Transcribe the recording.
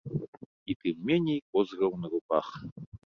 І тым меней козыраў на руках.